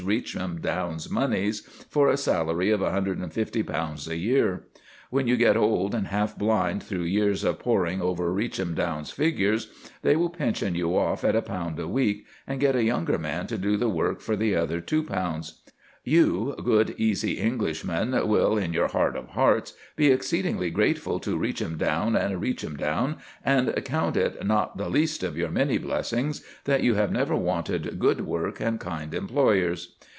Reachemdown's moneys, for a salary of £150 a year. When you get old and half blind through years of poring over Reachemdown's figures, they will pension you off at a pound a week, and get a younger man to do the work for the other £2. You, good, easy Englishman, will, in your heart of hearts, be exceedingly grateful to Reachemdown & Reachemdown, and count it not the least of your many blessings that you have never wanted good work and kind employers.